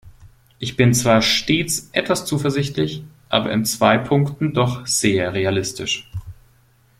Ich bin zwar stets etwas zuversichtlich, aber in zwei Punkten doch sehr realistisch.